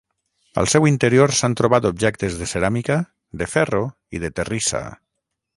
Al seu interior s'han trobat objectes de ceràmica, de ferro i de terrissa.